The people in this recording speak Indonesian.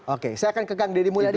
oke saya akan ke kang deddy mulyadi